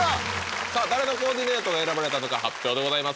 さあ誰のコーディネートが選ばれたのか発表でございます